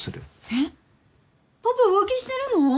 えっパパ浮気してるの？